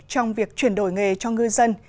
trong việc chuyển đổi nghề cho ngư dân